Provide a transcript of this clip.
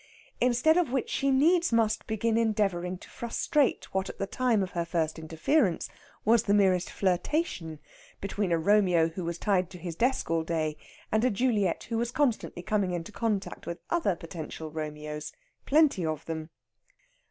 Instead of which she needs must begin endeavouring to frustrate what at the time of her first interference was the merest flirtation between a Romeo who was tied to a desk all day, and a Juliet who was constantly coming into contact with other potential Romeos plenty of them.